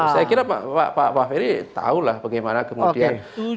saya kira pak ferry tahu lah bagaimana kemudian